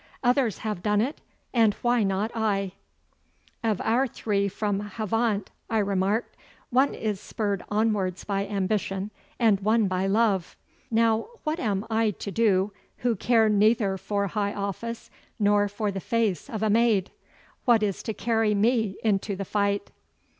Others have done it, and why not I!' 'Of our three from Havant,' I remarked, 'one is spurred onwards by ambition, and one by love. Now, what am I to do who care neither for high office nor for the face of a maid? What is to carry me into the fight?